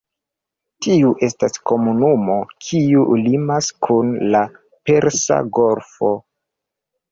Tiu estas komunumo kiu limas kun la Persa Golfo.